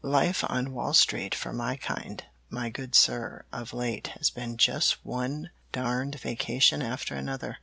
"Life on Wall Street for my kind, my good sir, of late has been just one darned vacation after another.